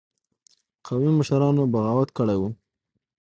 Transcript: قومي مشرانو بغاوت کړی وو.